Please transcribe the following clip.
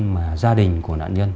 mà gia đình của nạn nhân